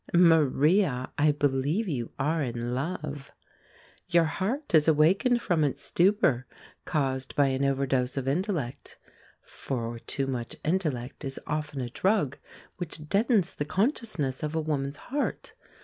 Maria, I believe you are in love. Your heart is awakened from its stupor, caused by an overdose of intellect. For too much intellect is often a drug which deadens the consciousness of a woman's heart.